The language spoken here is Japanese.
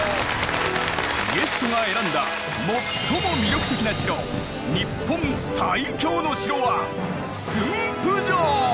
ゲストが選んだ最も魅力的な城日本最強の城は駿府城！